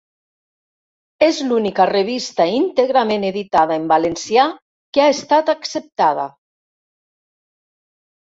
És l'única revista íntegrament editada en valencià que ha estat acceptada.